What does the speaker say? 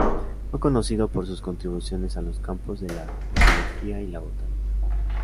Fue conocido por sus contribuciones a los campos de la micología y la botánica.